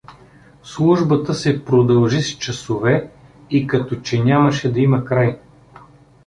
Службата се продължи с часове и като че нямаше да има край.